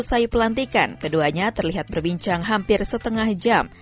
usai pelantikan keduanya terlihat berbincang hampir setengah jam